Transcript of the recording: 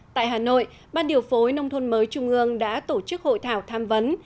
tại hà nội ban điều phối nông thôn mới trung ương đã tổ chức hội thảo tham vấn